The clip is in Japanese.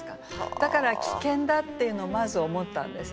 だから危険だっていうのをまず思ったんですね。